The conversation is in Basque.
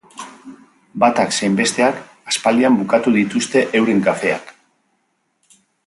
Batak zein besteak aspaldian bukatu dituzte euren kafeak.